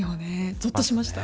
ぞっとしました。